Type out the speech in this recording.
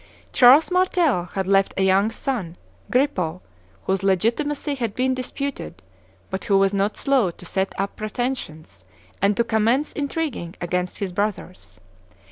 Charles Martel had left a young son, Grippo, whose legitimacy had been disputed, but who was not slow to set up pretensions and to commence intriguing against his brothers.